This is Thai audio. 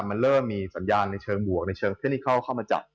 มันเริ่มมีสัญญาณในเชิงบวกในเชิงเพื่อนที่เข้ามาจัด